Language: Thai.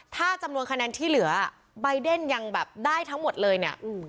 ถ้าจำนวนคะแนนที่เหลือใบเดนยังแบบได้ทั้งหมดเลยเนี่ย